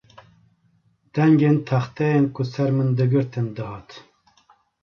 Dengên texteyên ku ser min digirtin dihat